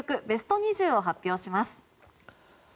ベスト２０を発表します。